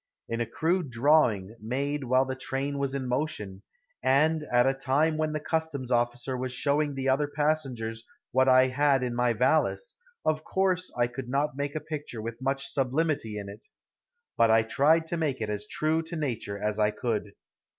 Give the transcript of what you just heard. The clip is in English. In a crude drawing, made while the train was in motion, and at a time when the customs officer was showing the other passengers what I had in my valise, of course I could not make a picture with much sublimity in it, but I tried to make it as true to nature as I could.